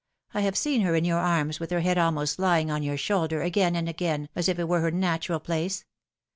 I have seen her in your arms, with her head almost lying on your shoulder, again and again, as if it were her natural place.